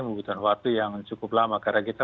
membutuhkan waktu yang cukup lama karena kita